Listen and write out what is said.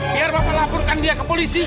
biar bapak laporkan dia ke polisi